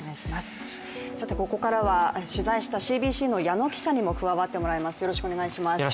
ここからは取材したＣＢＣの矢野記者にも加わっていただきます。